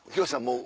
もう。